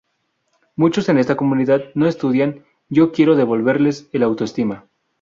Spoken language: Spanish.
Muchos en esa comunidad no estudian, yo quiero devolverles el autoestima.